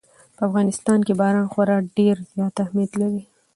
په افغانستان کې باران خورا ډېر زیات اهمیت لري.